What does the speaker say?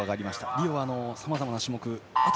リオは、さまざまな種目あと